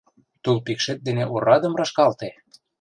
Тул пикшет дене орадым рашкалте!..